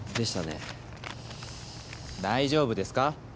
大丈夫ですか？